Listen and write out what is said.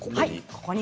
ここに。